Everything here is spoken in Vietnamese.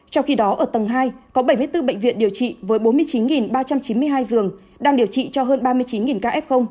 trong khi đó ở tầng hai có bảy mươi bốn bệnh viện điều trị với bốn mươi chín ba trăm chín mươi hai giường đang điều trị cho hơn ba mươi chín ca f